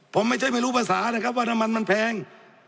ผมไม่ใช่ไม่รู้ภาษานะครับว่าน้ำมันมันแพง